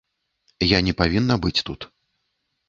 Я не павінна быць тут.